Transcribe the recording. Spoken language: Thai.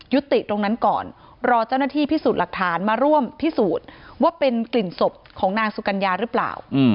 ติดตรงนั้นก่อนรอเจ้าหน้าที่พิสูจน์หลักฐานมาร่วมพิสูจน์ว่าเป็นกลิ่นศพของนางสุกัญญาหรือเปล่า